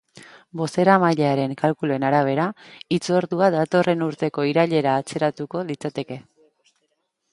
Bozeramailearen kalkuluen arabera, hitzordua datorren urteko irailera atzeratuko litzateke.